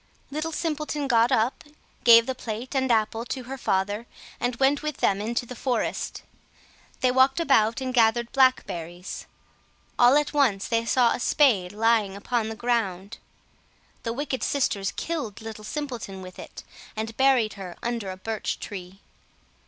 Little Simpleton got up, gave the plate and apple to her father, and went with them into the forest. They walked about and gathered blackberries. All at once they saw a spade lying upon the ground. The wicked sisters killed Little Simpleton with it, and buried her under a birch tree.